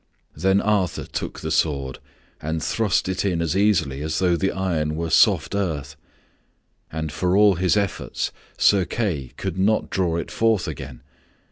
Then Arthur took the sword and thrust it in as easily as though the iron were soft earth, and for all his efforts Sir Kay could not draw it forth again.